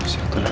terus dulu ko